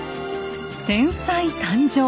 天才誕生。